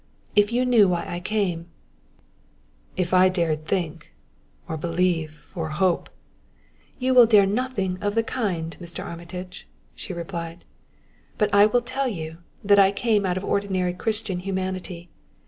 If you knew why I came " "If I dared think or believe or hope " "You will dare nothing of the kind, Mr. Armitage!" she replied; "but I will tell you, that I came out of ordinary Christian humanity.